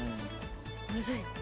むずい。